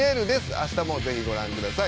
明日もぜひ、ご覧ください。